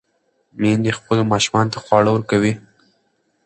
میندې خپلو ماشومانو ته خواړه ورکوي.